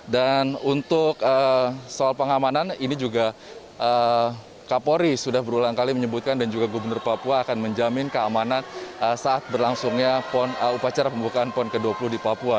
dan untuk soal pengamanan ini juga kapolri sudah berulang kali menyebutkan dan juga gubernur papua akan menjamin keamanan saat berlangsungnya upacara pembukaan pon ke dua puluh di papua